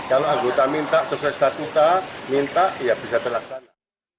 kalau anggota minta sesuai statuta minta ya bisa terlaksana